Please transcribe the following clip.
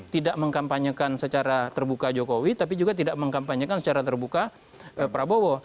tidak mengkampanyekan secara terbuka jokowi tapi juga tidak mengkampanyekan secara terbuka prabowo